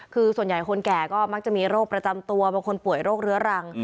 คือส่วนใหญ่คนแก่ก็มักจะมีโรคประจำตัวบางคนป่วยโรคเรื้อรัง